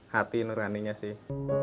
hati nurhaninya sih